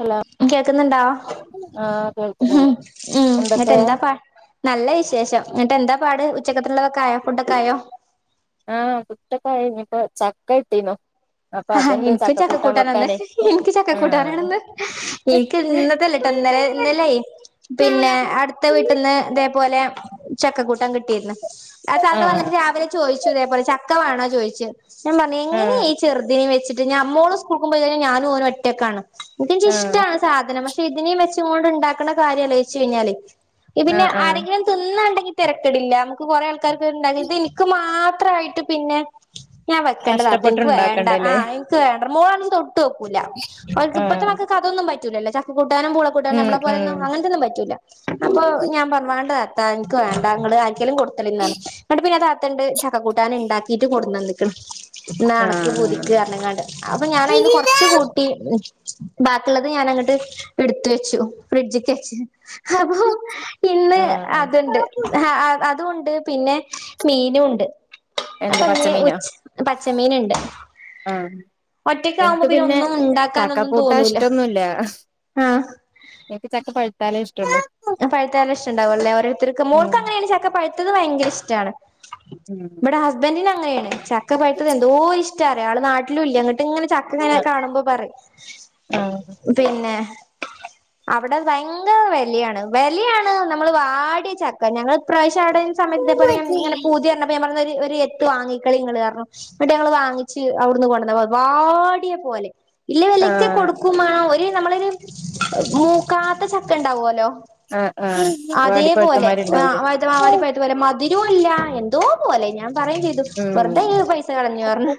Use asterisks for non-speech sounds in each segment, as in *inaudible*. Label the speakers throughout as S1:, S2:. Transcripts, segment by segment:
S1: Hello
S2: കേക്കുന്നുണ്ടോ
S1: ആഹ് കേൾക്കുന്നുണ്ട്
S2: ഉം എന്നിട്ട്
S1: എന്തൊക്കെ
S2: എന്താ നല്ല വിശേഷം എന്നിട്ട് എന്താ പാട് ഉച്ചക്കത്തിലുള്ളതൊക്കെ ആയോ ഫുഡൊക്കെ ആയോ
S1: ആഹ് ഫുഡൊക്കെ ആയിഞ്ഞിപ്പൊ ചക്കട്ടീണു
S2: ആഹ് ൻക്കും ചക്കക്കൂട്ടാനന്ന് എനിക്ക്
S1: ആഹ്
S2: ചക്കക്കൂട്ടാനാണന്ന് ൻക്ക് ഇന്നത്തല്ലട്ടോ ഇന്നലെ ഇന്നലെ പിന്നെ അടുത്ത വീട്ടിൽന്ന് തേപോലെ ചക്കക്കൂട്ടാൻ കിട്ടിയിരുന്നു ആ താത്ത വന്നിട്ട്
S1: ആഹ്
S2: രാവിലെ ചോദിച്ചു ഇതേപോലെ ചക്ക വേണോ പോയിച്ച് ഞാമ്പറഞ്ഞ് എങ്ങനേ
S1: ആഹ്
S2: ഇനി വെച്ചട്ട് മോള് സ്കൂക്കുമ്പോനും ഞാനുംഓനും ഒറ്റക്കാണ് ൻക്ക്
S1: ആഹ്
S2: ഇഷ്ടാണ് സാധനം പക്ഷെ പക്ഷെ ഇതിനേം വെച്ചോണ്ട് ണ്ടാക്ക്ണ കാര്യാലോയിച്ച് കഴിഞ്ഞാല്
S1: ആഹ്
S2: പിന്നെ
S1: ആഹ്
S2: ആരെങ്കിലും തിന്നണ്ടെ തെരക്കടില്ല മ്മക്ക് കൊറെേ ആ ക്കാർക്ക്ണ്ടാക്ക് ത്ൻക്ക്മാ ത്രായിട്ട് പിന്നെ ഞാ വെക്കണ്ട താത്ത
S1: കഷ്ടപ്പെട്ട്
S2: വേണ്ട ആ
S1: ഇണ്ടാക്കണ്ടല്ലേ
S2: ൻക് വേണ്ട മോ ട്ടോക്കൂല ഓൽക്ക് പ്പത്തെ
S1: ആഹ്
S2: മക്കക്ക് അതൊന്നും പറ്റ റ്റൂലല്ലാ ചക്ക കൊ ട്ടാനും പൂളകൂട്ടാനും
S1: ഉം
S2: മ്മള പോലൊന്നും
S1: ഉം
S2: അങ്ങനത്തെന്നും പറ്റില്ല അപ്പൊ ഞാൻ പറഞ്ഞാണ്ടാ ൻക്ക് വേണ്ട ങ്ങള് ലും കൊട്ത്തളിന്ന ങ്ങട്ട്പിന്നെ അത ത്ണ്ട് ച കൂട്ടാനെ ണ്ടാക്കിട്ട് കൊടുന്നന്ന് *unintelligible* നാട
S1: ആഹ്
S2: പുതുക്കിയ കാരണംങ്ങാണ്ട് അപ്പൊ ഞാനതിന്ന് കൊറച്ച് കൂട്ടി ബാക്കിള്ളത് ഞാനങ്ങോട്ട് എടുത്വച്ചു ഫ്രിഡ്ജക്ക്ച്ചു. അപ്പൊ, ഇന്ന്
S1: ആഹ്
S2: അതൊണ്ട്, ആ ആ അതും ഉണ്ട് പിന്നെ മീനും ഉണ്ട്.
S1: എന്ത്
S2: അപ്പൊ ന്ന്‌
S1: പച്ചമീനോ
S2: ഉച് പച്ചമീനൊണ്ട്.
S1: ആ എൻക്ക് പിന്നെ ചക്ക
S2: ഉണ്ടാക്കാനൊന്നും തോന്നൂല
S1: കൂട്ടാഇഷ്ടൊന്നുല്ല എനിക്ക് ചക്ക പഴുത്ത തലേഷ്
S2: ആ പഴുത്താല് ഇഷ്ടണ്ടാവൊള്ളല്ലേ ഓരോരുത്തർക്കു.
S1: ഉം
S2: മോൾക്കങ്ങനെയാണ് ചക്ക പഴ് ത്തത് ഭയങ്കര ഇഷ്ടാണ്.
S1: ഉം
S2: ബടെ ഹസ്ബൻഡിനങ്ങനെയാ ചക് ക്ക പഴുത്തതെന്തോരിഷ് ഇഷ്ടറ്റാണെന്നറിയോ നാട്ടിലുല്ല്യ ങ്ങനെ ചക്കങ്ങനെ കാണുമ്പ പറേം,
S1: ആഹ്
S2: പിന്നെ അവിടെ ഭയങ്കര വെലയാണ്. വെലേയാണ്, നമ്മള് വാടിയ ചക്ക ഞങ്ങള് ഫ്രഷ് ചാടാൻ സമയതേപോലെ ങ്ങനെ പൂതിപ്പറേഞ്ഞാപ്പ ഞാൻ പർ ഒരു ഒരു എത്ത് വാങ്ങിക്കളിങ്ങള്, കാരണം, ഇവിടെ ഞങ്ങൾ വാങ്ങിച്ച് അവിടുന്ന് കൊണ്ടന്ന്‌, വാടിയ പോലെ. ഇല്ല് വിലക്ക്
S1: ആഹ്
S2: കൊടുക്കുംമേണം ഒരു നമ്മളേല് മൂക്കാത്ത ചക്ക ഉണ്ടാവ്വല്ലോ?
S1: ആഹ് ആഹ്
S2: അതേപോലെ ആ
S1: വാടിപ്പഴുത്തമാരുണ്ടാവൂലേ
S2: പഴുത്ത ആ വാടിപ്പഴുത്തപോലെ മതി രൂല്ല എന്തോ പോലെ ഞാൻ പറയും ചെയ്തു
S1: ഉം
S2: വെറുതെ ഇങ്ങപൈസ കളഞ്ഞുറഞ്ഞ്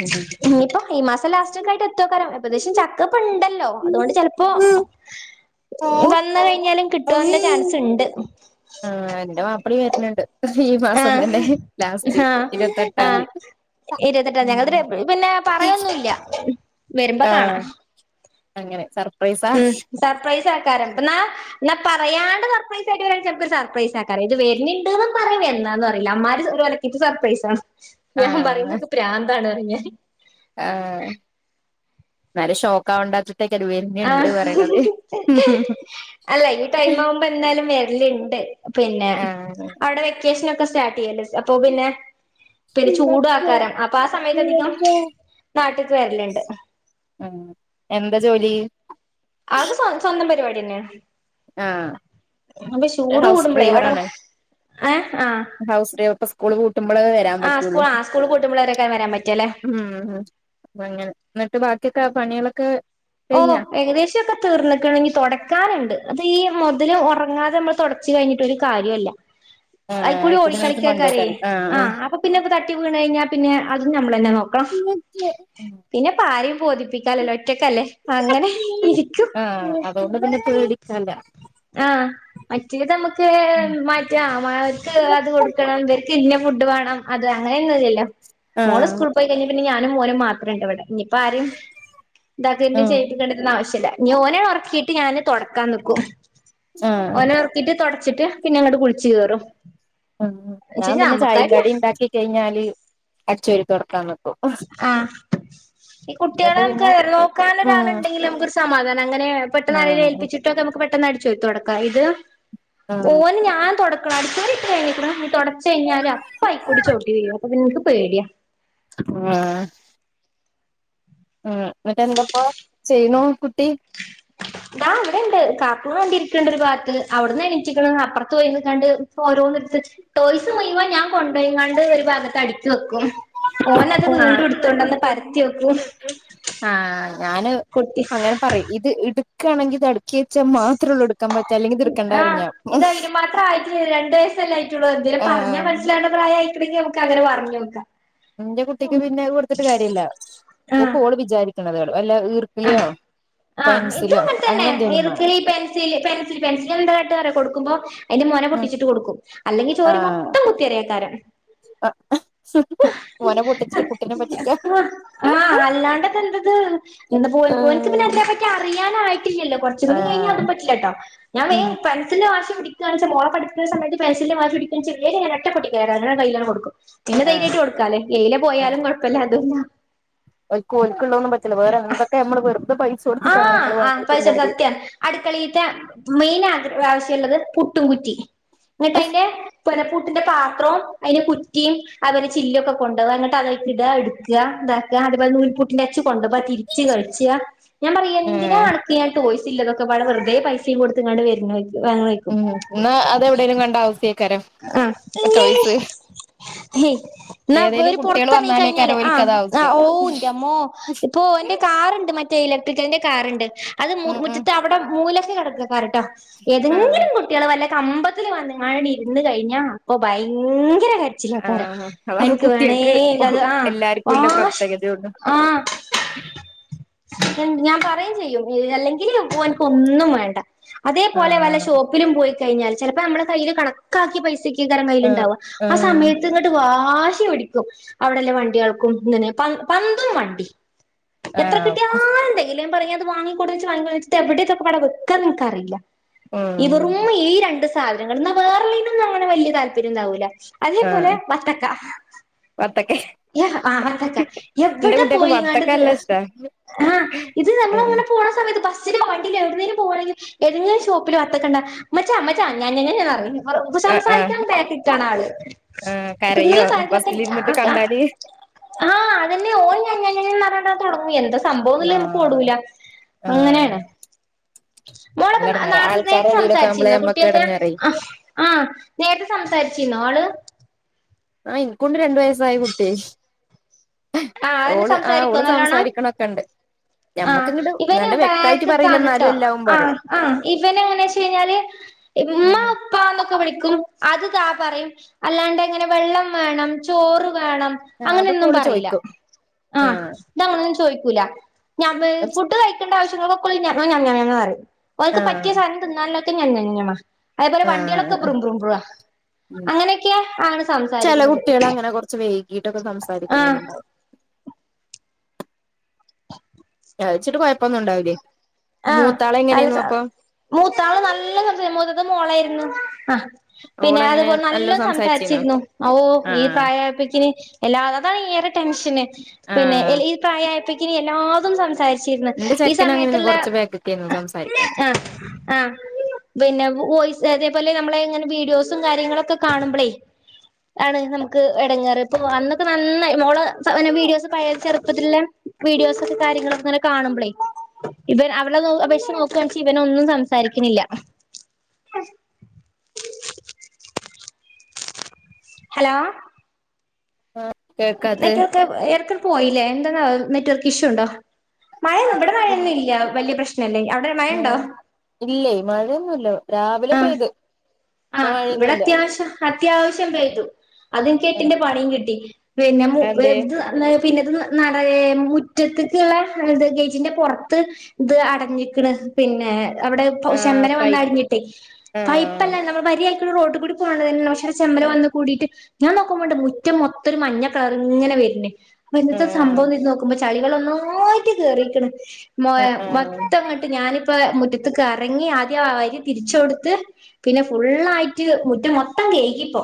S1: ഉം
S2: ഇനിയിപ്പോ ഈ മാസം ലാസ്റ്റക്കായ്ട്ട് എത്തുംക്കാര് പ്പത്യാശം ചക്കപ്പണ്ടല്ലോ അതുകൊണ്ട് ചെലപ്പോ
S1: ആഹ്
S2: വൽ കഴിഞ്ഞാലും കിട്ടുവാനുള്ള ചാൻസിണ്ട്.
S1: ആ എന്റെ മാപ്പിളിം വര്ണ് ണ്ട് ഈ മാസം
S2: ആഹ്
S1: തന്നെ ലാസ്റ്റ്
S2: ആഹ് ആഹ്
S1: ഇരത്തെട്ടാംന്തി
S2: ഇരുപത്തെട്ടാം ഞങ്ങളത് പിന്നെ പറയൊന്നുല്ല വരുമ്പോ
S1: ആ
S2: കാണാം
S1: അങ്ങനെ സർ
S2: ഉം സർപ്രൈസാ ക്കാരം ന്നാ ന്നാ പറയാണ്ട് സർപ്രൈസായിട്ട് വരാണെങ്കിച്ചാ നമ്ക്കൊരു സർപ്രൈസാക്കാരം ഇത് വര്ന്ണ്ട്ന്ന് പറയും എന്നാന്ന് പറയില്ല അമ്മാരി ദര് ഒൽക്കീത്തെ സർപ്രൈസാണ്
S1: ആഹ്
S2: ഞാമ്പറയുങ്ങക്ക് പ്രാന്താണ് പറയും ഞാൻ
S1: ആഹ് നല്ല ഷോക്ക് ആവണ്ടാച്ച്
S2: ആ അല്ല ഈ ടൈമാവുമ്പോ എന്തായാലും വര്ല് ണ്ട് പിന്നെ
S1: ആഹ്
S2: അവിടെ വെക്കേഷനൊ സ്റ്റാർട്ടെയ്യല് അപ്പൊ പിന്നെ പിന്നെ ചൂടു ആക്കാരം അപ്പ ആ സമയത്ത് അധികം നാട്ട്ക്ക് വരല്ണ്ട്
S1: എന്താ ജോലി
S2: ആൾക് സ്വ സ്വന്തം പര്പാ പിന്നെ
S1: ആഹ് ഹൗസ്
S2: കൂടുമ്പളേ അവിടെ
S1: ഡ്രൈവറാണ്
S2: ഏഹ് ആഹ്
S1: ഹൗസ് ഡ്രൈവർ ഇപ്പ സ്കൂള് പൂട്ട്മ്പളേ വരാൻ
S2: ആഹ്
S1: പറ്റുള്ളൂ
S2: സ്കൂൾ ആഹ് സ്കൂൾ പൂട്ടുമ്പളേക്കാരം വരാൻ പറ്റാല്ലേ
S1: ഉം പ്പങ്ങനെ ന്നെട്ട് ബാ താ പണികളൊക്കെ
S2: ഓ ഏകദേശ ഓക്കെ തീർന്ന്ക്ക്ണ് ഞ്ഞി തുടക്കാനുണ്ട്. ത് ഈ മുതല് ഉറങ്ങാതെ നമ്മള് തുടച്ച് കഴിഞ്ഞിട്ടൊരു കാര്യല്ല.
S1: ആഹ്
S2: അയിക്കൂടി
S1: ആയിക്കോട്ടെ നിങ്ങൾക്ക്
S2: ഓടിക്കളിക്കക്കാരേ
S1: മണ്ടോക്കാരൽ
S2: ആഹ് അപ്പൊ പിന്നെ തട്ടി വീണ് കഴിഞ്ഞാ പിന്നെ അ അതും ഞമ്മളന്നെ ക്കളോ പിന്നെ ഇപ്പ രേം ബോധിപ്പിക്കാല്ലല്ലോ ഒറ്റക്കല്ലേ? അങ്ങനെ ഇരിക്കും
S1: ആഹ് അതൊണ്ട് തന്നെ പേടികാന്ല്ലാ
S2: ആഹ് മറ്റേത് നമുക്ക് മാറ്റ മാക്ക് അത് കൊടുക്കണം ഇവര് ഇന്ന ഫുഡ് വേണം അത് അങ്ങനെ ഒന്നുല്ലല്ലോ മോള്
S1: ആഹ്
S2: സ്കൂൾ പോയി കഴിഞ്ഞ പിന്നെ ഞാ നും മോനും മാത്രം ഉണ്ട് ഇവിടെ ഞ് ഇപ്പ ആരും ഇതാക്കെ
S1: ആഹ്
S2: ചെയ്കണ്ടിരുന്ന ആവശ്യമില്ല ഓനെ ഉറക്കി ട്ട് ഞാന് തൊടക്കാൻ നിക്കും ഓനെ ഒർക്കീട്ട് തൊ ടച്ചിട്ട് പിന്നങ്ങട്ട് കു
S1: ഉം ഞാം പിന്നെ ചായിം
S2: നമ്മുക്കായിട്ടില്ല
S1: കടി ണ്ടാക്കി കഴിഞ്ഞാല് അടിച്ചോരി തൊട ക്കാണ്.
S2: ആഹ് ഈ
S1: എന്നിട്ട്
S2: കുട്ട്യേളമ്മക്ക്
S1: പിന്നെ ഉം
S2: നോക്കാനൊരാള്ണ്ടെങ്കില് നമുക്കൊരു സമാധാ അങ്ങനെ പെട്ടെന്ന് ആരേലും
S1: ആഹ്
S2: ഏൽപ്പിച്ചിട്ടൊക്കെ അമക്ക് പെട്ടെന്ന് അടി ച്ച് തൊടക്ക ഇത്
S1: ആഹ്
S2: ഓന് ഞാ തൊട *unintelligible* വേവിക്കിന്‌ തുടച്ച കഴിഞ്ഞാല് അപ്പ ആയിക്കൂടി ചോട്ടി ചെയ്യും അപ്പൊ പിക്ക് പേടിയ
S1: ആഹ് അ എന്നിറ്റ എന്തൊക്ക ചെയ്യണോ കുട്ടി
S2: ഇതാ വ്ടെണ്ട് കാർട്ടൂൺ കണ്ടിരിക്കണ്ട ഒരു ഭാഗത്ത് അവിടുന്ന് എണീച്ചിക്കണ അപ്പുറത്ത് പോയി കാണ്ട് ഓരോന്നിടത്ത് ടോയ്സ് മുയുമ്പോ ഞാൻ കൊണ്ടപാണ്ട് ഒരു ഭാഗത്ത് അടിക്കി വെക്കും ഓന അത്
S1: ആഹ്
S2: വീണ്ടു ഇട്ത്തോണ്ടന്ന് പരത്തി വെക്കൂ
S1: ആഹ് ഞാന് അങ്ങനെ പറയും ഇത് ഇടു ഒക്ക ആണെങ്കിൽ തട്ക്കിവച്ചമ്മ
S2: ആ ഇതായിന് മാത്രം ആയിട്ട രണ്ടു വയസ്സല്ലേ ആയിട്ടുള്ള എന്തേ പറഞ്ഞാ
S1: ആഹ്
S2: മനസ്സിലാണ് പ്രായ നുക്ക് അങ്ങനെ പറഞ്ഞ് വെക്കാം
S1: എന്റെ കുട്ടിക്ക് പിന്നെ കൊടുത്തിട്ട് കാര്യമല്ല കോ
S2: ആഹ്
S1: ഓള് വിചാരിക്കണുന്നത് അല്ല ഈർക്കിളിയോ
S2: ആ ഇതു
S1: പെൻസിലോ അങ്ങനെ
S2: അങ്ങൻതന്നെ
S1: എന്തേലും വേണം
S2: ഈർകിളി പെൻസില് പെൻസിൽ പെൻസിൽ എന്താകാട്ടാ അറിയോ കൊടു ക്കുമ്പോ അയ്ന്റെ മോന
S1: ഉം
S2: പൊട്ടിച്ചിട്ട് കൊടുക്കും അല്ലെങ്കി ചോര്
S1: ആഹ്
S2: മൊത്തം കുത്തിരയ്ക്കാരം
S1: ആഹ് ഓനെ പൊട്ടിച്ചിട്ട് കുട്ടിനെ പറ്റിക്കാൻ
S2: ആ അല്ലാണ്ടെതെന്തത് എന്ത പോ പോൻ പോൻ പിന്നെ
S1: ആഹ്
S2: അത്തെ പറ്റി അറിയാനായിട്ടില്ലല്ലോ കൊറചൂടി കഴിഞ്ഞാൽ അത
S1: ആഹ്
S2: പറ്റില്ല കേട്ടോ ഞാ വേ
S1: ഉം
S2: പെൻസിന്റെ വാശിപിടി *unintelligible* മോള പഠത്തുന്ന സയത്ത് പെൻസിൽന്റെ മോനാ *unintelligible* കയ്യിലട് കൊട്ക്കും പിന്നെ
S1: ആഹ്
S2: ധൈര്യായിട്ട് കൊടുക്കാലെ എയിലെ പോയാലും കുഴപ്പല്ല അതൂല്ല
S1: ഓൽക്കോൽക്കുള്ളതൊന്നും പറ്റില്ല വേറെ എന്തൊക്കെ നമ്മള് വെറും
S2: ആ ആ പൈസ സത്യാ അടുക്കളീത്തെ മെയിനാ പ്രാവശ്യള്ളത് പുട്ടും കുറ്റി ഇന്നിട്ടയിന്റെ പൊന പ്പുട്ടിന്റെ പാത്രും അതിനെ കുറ്റിയും അത് പോലെ ചില്ലിയൊക്കെ കൊണ്ടോവ ഇങ്ങട്ടത് ഇട്ത് ഇട ഇട്കാ ഇതാക്ക അതേപോലെ നൂൽപ്പൂട്ടിന്റെ അച്ച് കൊണ്ട് പ്പ അ തിരിച്ച് കൾച്ചാ ഞാൻ പറയും എന്തിനാ
S1: ഏഹ്
S2: അണക്ക് ഞാൻ ടോയ്സ് ട്ട് ഇല്ലതൊക്കെപ്പാടെ വെറുതെ പൈസിം കൊടുത്ത്ങ്ങാണ്ട് വര്‌നോയ്
S1: ഉം ഇന്നാ അതെവിടെലും കണ്ടാ അവ്സെയ്ക്കാ
S2: ആ ഇന്നാ ഇവ
S1: ഏതേലും
S2: രു
S1: കുട്ടികൾ
S2: പൊറത്തെറങ്ങീ ക യിഞ്ഞാല്
S1: വന്നാലേക്കാരം
S2: ആ
S1: ഓൽക്ക് അത്
S2: ആ
S1: ആവശ്യം
S2: ഓ ഇൻറ്റമ്മോ ഇപ്പോ ഓന്റെ കാറ്ണ്ട് മ റ്റേ ഇലക്ട്രിക്കലിന്റെ കാറ്ണ്ട് അത്
S1: ഉം ഉം
S2: മുറ്റത്ത് അവിടെ മൂല കടക്ക് വരട്ട
S1: ആഹ്
S2: ഏതെങ്കിലും കുട്യോള് വല്ല കമ്പത്തില് വന്ന്ങ്ങാണ്ടാണ്ടിര് ന്ന് കഴിഞ്ഞ അപ്പൊ ഭയംഗ് ങ്കര കരച്ചിലേക്കാരം
S1: ആഹ് അതാ
S2: അയിൻക്ക് വേണേ
S1: കുട്ടികൾക്ക്
S2: ല്ലത് ആ
S1: എല്ലാർക്കും ഉള്ള
S2: വാശ്
S1: പ്രത്യേകതയുള്ളു
S2: ആ ഞാൻ പറയും ചെയ്യും അല്ലെങ്കില് ഓൻക്ക് ഒന്നും വേണ്ട അതേപോലെ വല്ല
S1: ആഹ്
S2: ഷോപ്പിലും പോയി കഴിഞ്ഞൽ ചെലപ്പോ നമ്മളെ കയ്യില് കണക്ക് കാക്ക്യേ പൈസേക്ക് ക്കേക്കാരം
S1: ആഹ്
S2: കയ്യില്ണ്ടാവ ആ
S1: ആഹ്
S2: സമയത്ത് ഇങ്ങട്ട് വാ വാശി പിടിക്കും അവിടെല്ല വണ്ടികൾക്കും ഇങ്ങനെ പ പന്തും വണ്ടിം എത്ര
S1: ആഹ്
S2: കിട്ടിയാലും തെകയില്ല പറയു അത് വാങ്ങിക്കൊട്ന്നച്ച് വാങ്ങിക്കൊടന്നച്ച്ട്ട് എവടെ ഇതൊക്കെപ്പാടെ വെക്കാ ന്ന് ഇൻകറീല
S1: ഉം
S2: ഇവറും ഈ രണ്ട് സ് സാധനങ്ങൾ ഇന്നാ വേ ള്ളയ് നൊന്നും അങ്ങനെ വല്യ താല്പര്യം ഇണ്ടാവൂല അതേപോലെ
S1: ആഹ്
S2: വത്തക്ക
S1: വത്തക്ക
S2: എ ആ വത്തക്ക
S1: എന്റെ
S2: എവിടെ
S1: കുട്ടികൾക്ക്
S2: പോയിങ്ങാണ്ട്
S1: വത്തക്ക
S2: ത്
S1: നല്ല ഇഷ്ടാ
S2: ആ ഇത് നമ്മള്
S1: ആഹ്
S2: ങ്ങനെ പോണ സമയത്ത് ബസ് സ്സിലും വണ്ടീലുംഎവിട്ന്നേലും പോവാണെങ്കി എതെങ്കിലും ഷോപ്പില് വത്തക്കണ്ടാ മച്ചാ അമ്മച്ചാ ഞൻ ഞഞ്ഞാഞാന്നു അ പ റിം വെറുപ്പ്
S1: ആഹ് ആഹ്
S2: സംസാരിക്കാൻ ബാക്ക് കാണാള്
S1: ആഹ്
S2: തി
S1: കരയോ
S2: ന്നല്
S1: ബസ്സിലിരുന്നിട്ട്
S2: സഹായത്തിനൊക്കെആ
S1: കണ്ടാല്
S2: അതന്നെ ഓൻ ഞ ഞ്ഞ ഞ്ഞഞ്ഞാന്ന് പറ *unintelligible* സംഭവന്നില്ല നമുക്ക്
S1: ആഹ്
S2: ഓടൂല
S1: ആഹ്
S2: അങ്ങനേണ്
S1: നല്ല
S2: മോളൊക്കെ
S1: എടങ്ങേറാ
S2: നാർത്തെത്തെ
S1: ആൾക്കാരുടെ എടയിലൊക്കെ ആവുമ്പളേ നമ്മക്ക്
S2: സംസാരിച്ചിന്നോകുട്ടിയൊക്കെ
S1: എടങ്ങേറേ
S2: ആ നേരത്തെ സംസാരിച്ചീന്നോ ആള്
S1: ആ ഇൻക്കുണ്ട് രണ്ടു വയസ്സായ കുട്ട്യേ
S2: ആഹ് അതന്നെ
S1: ഓള് ആ
S2: സംസാരിക്കോ
S1: ഓള്
S2: നല്ലോണം
S1: സംസാരിക്കണൊക്കെ ഇണ്ട്
S2: ആഹ് ഇവന് ബാക്ക്ക്കാണ്
S1: എന്നാലും
S2: ട്ടോ
S1: എല്ലാവും
S2: ആ
S1: പറയും
S2: ആഹ് ഇവന് എങ്ങനേച്ച് കഴിഞ്ഞാല് ഇമ്മ
S1: ഉം
S2: ഉപ്പാന്നൊ ക്ക വിളിക്കും അത് താ പറയും അല്ലാണ്ടിങ്ങനെ വെള്ളം വേണം ചോറ് വേണം
S1: ആഹ് അതൊക്കെ
S2: അങ്ങനൊന്നും
S1: ഓള്
S2: പറീല
S1: ചോയിക്കും
S2: ആ
S1: ആഹ്
S2: ഇതങ്ങനൊന്നും ചോയ്ക്കൂ പുല ഞാ വ് ഫുഡ് കഴിക്കണ്ടവശ്യം *unintelligible* ഓൽക്ക് പറ്റിയ
S1: ആഹ്
S2: സാനം തിന്നാല *unintelligible* ഞമ്മ അതേപോലെ വണ്ടികളൊക്കെ
S1: ആഹ്
S2: ബ്രും ബ്രുംബ്രുവാ
S1: ഉം
S2: അങ്ങനെയൊക്കെയ ആണ് സംസാരിക്കുന്നത്
S1: വീട്ടൊക്കെ
S2: ആഹ്
S1: സംസാരിക്കുണോല് ഉണ്ടാവും
S2: *inaudible*
S1: കഴിച്ചിട്ട് കുഴപ്പമൊന്നും ഉണ്ടാവില്ലേ
S2: ആഹ്
S1: മൂത്താള്
S2: *unintelligible*
S1: എങ്ങനെയാന്നു
S2: ന
S1: അപ്പൊ
S2: മൂത്താള് നല്ല സംസാര *unintelligible* മൂത്തതും മോളായിരുന്നു ആഹ് പിന്നെ
S1: ഓള് എങ്ങനെ
S2: അതുപോലെ നല്ലോ
S1: നല്ലോം സംസാരിച്ചീന്നോ
S2: സംസാരിച്ചിരുന്നു ഔ ഓ ഈ
S1: ആഹ്
S2: പ്രായമായപ്പഴ്ക്കിന് എല്ലാ അതാണ് ടെൻഷന് പിന്നെ
S1: ആഹ്
S2: *unintelligible* ഈ പ്രായായപ്പ് ത്തിന് എല്ലാതും സംസാരിച്ച്
S1: എന്റെ
S2: ത്തി *unintelligible* ഈ
S1: ചെക്കന്
S2: സമയത്ത്
S1: അങ്ങനെയാന്ന്
S2: ത്തിള്ള
S1: കൊറച്ച് ബേക്ക്ക്കേന്നു സംസാരിക്കാന്
S2: ആഹ് ആഹ് പിന്നെ *unintelligible* പ്പല്യ നമ്മള് ഇങ്ങനെ വീഡിയോസും കാര്യങ്ങളും ഒക്കെ കാണുമ്പളെ ആണ് നമുക്ക് എടങ്ങേറ് അന്നൊക്കെ നന്നായി മോള് വീഡിയോസ് ചെറുപ്പത്തിലുള്ള വീഡിയോസും കാര്യങ്ങളും ഒക്കെ കാണുമ്പളെ ഇവൻ അവളെ അപേക്ഷിച്ച് നോക്കുവാണേൽ ഇവൻ ഒന്നും സംസാരിക്കുന്നില്ല ഹലോ
S1: കേക്കാത്തെ
S2: നെറ്റ്‌വർക്ക് ഇടക്ക് പോയില്ലേ എന്തെന്നാ *unintelligible* നെറ്റ് നെറ്റ്‌വർക്ക് ഇഷ്യൂ ഉണ്ടോ മഴയ ഇവിടെ മഴയൊന്നും ഇല്ല വലിയ പ്രശ്നം
S1: ഉം ഇല്ലെ മഴയൊന്നുല്ല രാവിലെ
S2: ആഹ്
S1: പെയ്ത് ഇപ്പൊ
S2: ആഹ് ഇവിടെ
S1: മഴയൊന്നുല്ല
S2: അത്യാവശ്യം അത്യാവശ്യം പെയ്തു അത് എനിക്ക് എട്ടിന്റെ
S1: ആഹ്
S2: പണ കിട്ടി
S1: അതെന്തേ
S2: പിന്നെത് *unintelligible* പിന്നെത് നട മുറ്റത്തേക്കുള്ള ഗേറ്റിന്റെ പുറത്ത് ഇത് അടഞ്ഞിരിക്കണ് പിന്നെ അവിടെ ഇപ്പൊ
S1: ആഹ്
S2: ശമ്മല് വന്ന്
S1: പൈപ്പ്
S2: അടിഞ്ഞിട്ട് പൈ
S1: ആഹ്
S2: പ്പല്ല നമ്മൾ വരിയാ റോട്ടിക്കൂടി *unintelligible* ചെമ്മല് വന്നു കൂടിയിട്ട് ഞാൻ നോക്കുമ്പോളുണ്ട് മുറ്റം മൊത്തം ഒരു മഞ്ഞ കളർ ഇങ്ങനെ വര്ണ് ഇന്നത്തെ
S1: ആഹ്
S2: സംഭവം നീ നോക്കുമ്പോ ചളികൾ ഒന്നായിട്ട് കേറീക്ക്ണ് മ
S1: ആ ആഹ്
S2: മൊത്തം ങ്ങട്ട് ഞാനിപ്പം മുറ്റ ത്ത്ക്കെറങ്ങി ആദ്യം ആ അരി തിരിച്ചു കൊടുത്ത് പിന്നെ ഫുള്ളായിട്ട് മുറ്റം മൊത്തം കഴുകി ഇപ്പോ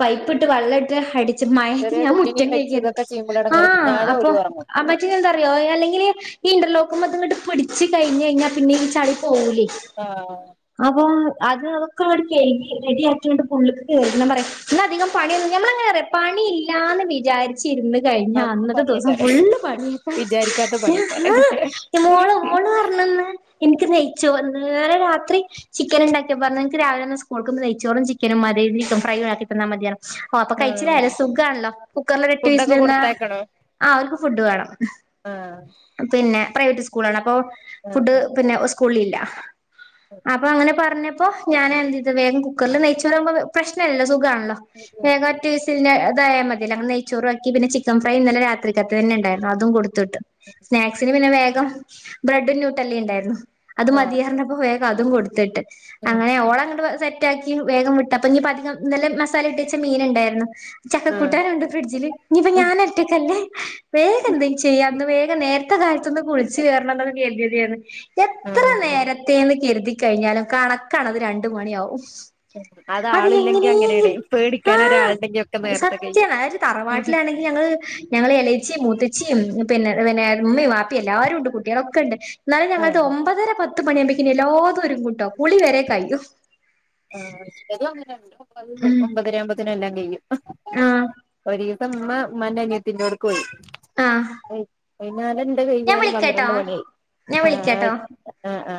S2: പൈപ്പിട്ട് വെള്ളം ഇട്ട് അടി ച്ച് മഴയത്ത്
S1: ചെറിയ
S2: ഞാൻ
S1: കുട്ടിനിം
S2: മുറ്റം
S1: വെച്ച്
S2: കഴികാരുന്നു
S1: ഇതൊക്കെ ചെയ്യുമ്പോളാണ് എടങ്ങേറ്
S2: ആഹ്
S1: പിന്നാലെ
S2: അപ്പൊ
S1: ഓലും ഒറങ്ങും
S2: അപ്പോക്ക് എന്താന്ന് അറിയോ അല്ലെങ്കില് ഈ ഇന്റർലോക്കുമ്മേൽ ഇതങ്ങോട്ട് പിടിച്ച് കഴിഞ്ഞ് കഴിഞ്ഞാ പിന്നെ ഈ ചളി പോകൂല്ലേ
S1: ആഹ്
S2: അപ്പൊ അത് അതൊക്കെങ്ങട്ട് കയ്കി റെഡിയാക്കി പ്പങ്ങട്ട് ഉള്ള്ക്ക് കേറി ഞാൻപറയാ ന്നധികം പണിയൊന്നുല്ല ഞമ്മളെങ്ങനേന്നറിയോ പണില്ലാന്ന് വിചാരിച്ച് ഇരുന്ന് കഴിഞ്ഞ
S1: അന്ന്
S2: അന്നത്തെ ദിവസം
S1: പണിയേക്കാരം
S2: ഫുള്ള് പണിയേക്കാരം.
S1: വിചാരിക്കാത്ത പണിയേക്കാരം
S2: മോള് മോള് പറഞ്ഞുന്ന് ഇൻക്ക് നെയ് ചോറ് ഇന്നലെ രാത്രി ചിക്കന്ണ്ടാക്കി. പറഞ്ഞു ഇന്ന് രാവിലെ സ്‌കൂൾക്ക് നെയ്‌ച്ചോറും ചിക്കനും മതി. ചിക്കൻ ഫ്രൈയും ആക്കിതന്നാമതി പറഞ്ഞു. ആ അപ്പൊ
S1: ആഹ്
S2: കഴിച്ചിലായല്ലൊ സുഖാണല്ലോ കുക്കറിലൊക്കെട്ട് വിസില്
S1: ഫുഡൊക്കെ
S2: വന്നാ
S1: കൊടുത്തയക്കണോ
S2: ആ ഓര്ക്ക് ഫുഡ് വാണം
S1: ആഹ്
S2: പിന്നെ പ്രൈവറ്റ് സ്കൂളാണ് അപ്പൊ
S1: ആഹ്
S2: ഫുഡ് പിന്നെ സ് സ്കൂളിലില്ല
S1: ആഹ്
S2: അപ്പങ്ങനെ പറഞ്ഞപ്പ് പ്പൊ ഞാനെന്തീതു വേഗം കുക്കറില് നെയ്‌ച്ചോറാകുമ്പോ പ്രശ്നല്ലല്ലോ സുഖാണല്ലോ ല്ലോ വേഗോറ്റ വിസിലിന് തായമതിയല്ലോ നെയ്ച്ചോറാക്കി പിന്നെചിക്കൻ ഫ്രൈ ഇന്നലെരാത്രിക്കത്തെന്നെണ്ടായിരുന്നു അതും കൊട് ത്തു വിട്ടു സ്നാക്സിന് പിന്നെ വേ ഗം ബ്രെഡും ന്യൂട്ടല്ലിംണ്ടായിര്ന്നു അത്
S1: ആഹ്
S2: മതീന്ന് പറഞ്ഞപ്പോ വേ അതും കൊടുത്ത് വിട്ട് അങ്ങനെ ഓളങ്ങട്ട് സെ റ്റാക്കി വേഗം വിട്ടു. അപ്പഞ്ഞീപധികം ഇന്നലെ മസാല ഇട്ടച്ച മീന്ണ്ടായിര്ന്നു. ചക്ക
S1: ആഹ്
S2: കൂട്ടാനൂണ്ട് ഫ്രിഡ്ജില്. ഞ്ഞീപ്പ ഞാനൊറ്റക്കല്ലേ വേഗം എന്തെങ്കിലും ചെയ്യ ഇന്ന് വേഗം നേര ത്തെ കാലത്തൊന്ന് കുളിച്ച് കേറണം ന്നൊക്കെ കര്ത്യെതേയ്രുന്നു. എത്ര
S1: ആഹ്
S2: നേരത്തേന്ന് കര്തി കഴിഞ്ഞാലും കണ ക്കാണത് രണ്ട് മണിയാകും അത്
S1: ആളില്ലെങ്കി അങ്ങനേണേ
S2: എങ്ങനെയെങ്കിലും
S1: പേടിക്കാൻ
S2: ആഹ്
S1: ഒരാളുണ്ടെങ്കി ഒക്കെ നേരത്തെ കയ്യും
S2: സത്യാണ് അതായത് തറവാട്ടിലാണെങ്കിൽ ഞങ്ങള് ഞങ്ങള് എളേച്ചിം മൂത്തച്ചിം പിന്നെ പിന്നെ ഇമ്മീം വാപ്പീമ് എല്ലാരുണ്ട് കുട്ട്യാളൊക്കെണ്ട് ന്നാലും ങ്ങങ്ങളത്
S1: ആഹ്
S2: ഒമ്പതര പത് ത്ത് മണിയാകുമ്പത്തിന് എല്ലാതും ഒര്ങ്ങ്ട്ടോ കുളിവരെ കയിയും
S1: ആ ഇന്റതും അങ്ങനെണ് ട്ടോ ഒമ്പത്
S2: ഉം
S1: ഒമ്പതെര ആകുമ്പോത്തിന് എല്ലാം ക യും
S2: ആഹ്
S1: ഒര് ഇപ്പ ഇമ്മ ഇമ്മാന്റെ അനിയത്തിന്റോട്ക്കോയി
S2: ആഹ്
S1: ഞാനന്റെ
S2: ഞാൻ
S1: കഴിയ്യാനും
S2: വിളിക്കാട്ടോ
S1: പന്ത്രണ്ട് മണിയായി
S2: ഞാൻ
S1: ആ
S2: വിളിക്കാട്ടോ
S1: ആ ആ